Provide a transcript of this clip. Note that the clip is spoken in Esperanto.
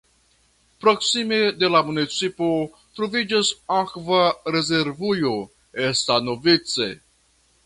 Proksime de la municipo troviĝas akva rezervujo Stanovice.